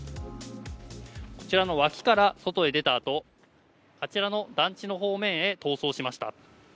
こちらの脇から外へ出たあと、あちらの団地の方面へ逃走しました。